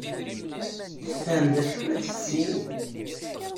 Tefhem d acu ay la d-tettini?